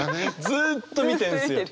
ずっと見てるんですよ。